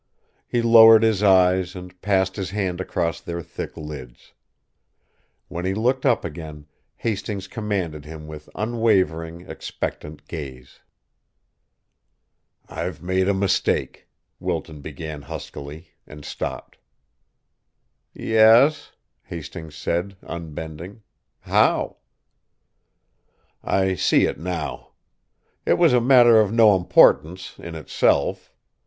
He lowered his eyes and passed his hand across their thick lids. When he looked up again, Hastings commanded him with unwavering, expectant gaze. "I've made a mistake," Wilton began huskily, and stopped. "Yes?" Hastings said, unbending. "How?" "I see it now. It was a matter of no importance, in itself.